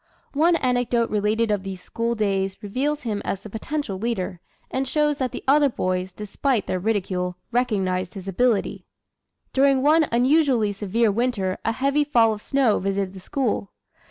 One anecdote related of these school days reveals him as the potential leader, and shows that the other boys, despite their ridicule, recognized his ability. During one unusually severe winter a heavy fall of snow visited the school.